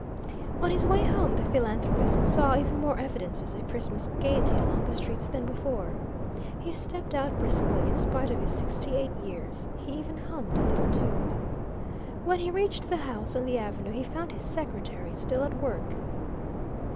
On his way home the philanthropist saw even more evidences of Christmas gaiety along the streets than before. He stepped out briskly, in spite of his sixty eight years; he even hummed a little tune. When he reached the house on the avenue he found his secretary still at work.